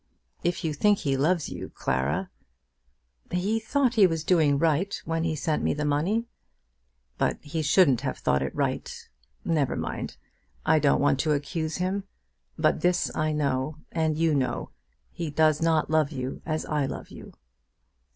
If you think he loves you, Clara " "He thought he was doing right when he sent me the money." "But he shouldn't have thought it right. Never mind. I don't want to accuse him; but this I know, and you know; he does not love you as I love you."